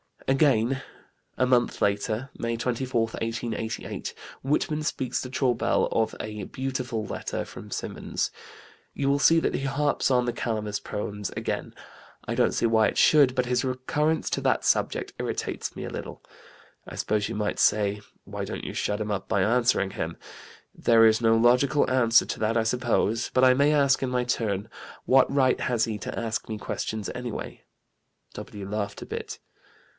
'" Again, a month later (May 24, 1888), Whitman speaks to Traubel of a "beautiful letter" from Symonds. "You will see that he harps on the Calamus poems again. I don't see why it should, but his recurrence to that subject irritates me a little. I suppose you might say why don't you shut him up by answering him? There is no logical answer to that I suppose: but I may ask in my turn: 'What right has he to ask questions anyway?'" W. laughed a bit.